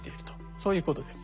そういうことです。